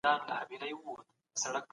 د لاهور والي د احمد شاه بابا سره څه وکړل؟